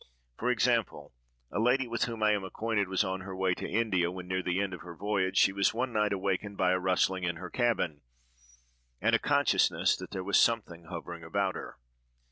For example: a lady, with whom I am acquainted, was on her way to India; when near the end of her voyage, she was one night awakened by a rustling in her cabin, and a consciousness that there was something hovering about her.